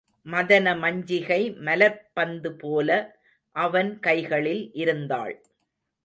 மதனமஞ்சிகை மலர்ப் பந்துபோல அவன் கைகளில் இருந்தாள்.